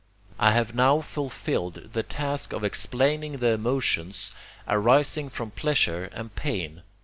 I have now fulfilled the task of explaining the emotions arising from pleasure and pain.